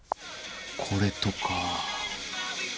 これとか。